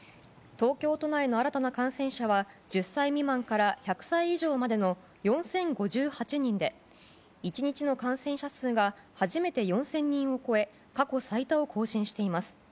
東京都内の新たな感染者は１０歳未満から１００歳以上までの４０５８人で１日の感染者数が初めて４０００人を超え４日連続で過去最多を更新しています。